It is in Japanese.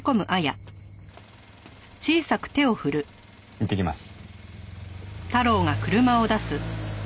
いってきます。